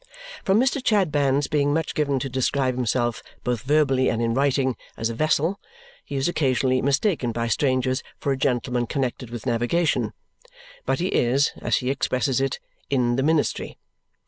From Mr. Chadband's being much given to describe himself, both verbally and in writing, as a vessel, he is occasionally mistaken by strangers for a gentleman connected with navigation, but he is, as he expresses it, "in the ministry."